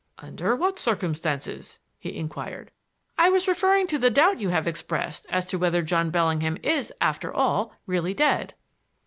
"Under what circumstances?" he inquired. "I was referring to the doubt you have expressed as to whether John Bellingham is, after all, really dead."